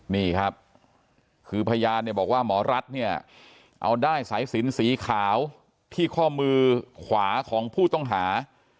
นี่ครับคือพยานเนี่ยบอกว่าหมอรัฐเนี่ยเอาด้ายสายสินสีขาวที่ข้อมือขวาของผู้ต้องหา